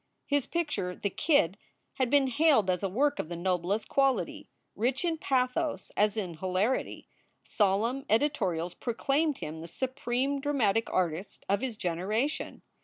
His picture, "The Kid," had been hailed as a work of the noblest quality, rich in pathos as in hilarity. Solemn edi torials proclaimed him the supreme dramatic artist of his generation.